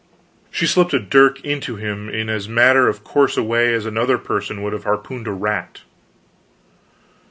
She slipped a dirk into him in as matter of course a way as another person would have harpooned a rat!